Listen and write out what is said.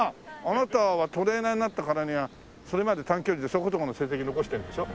あなたはトレーナーになったからにはそれまで短距離でそこそこの成績残してるんでしょ？